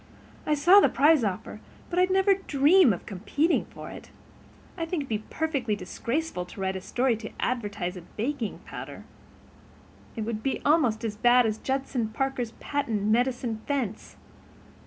I saw the prize offer, but I'd never dream of competing for it. I think it would be perfectly disgraceful to write a story to advertise a baking powder. It would be almost as bad as Judson Parker's patent medicine fence."